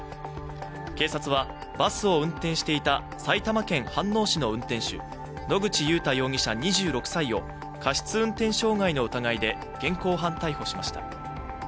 警察は、バスを運転していた埼玉県飯能市の運転手、野口祐太容疑者２６歳を過失運転傷害の疑いで現行犯逮捕しました。